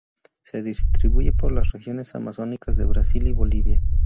Se distribuye por las regiones amazónicas de Brasil y Bolivia.